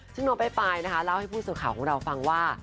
ซึ่งน้องปลายนะคะเล่าให้ผู้สื่อข่าวของเราฟังว่า